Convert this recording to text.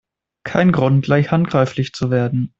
Kein Grund, gleich handgreiflich zu werden!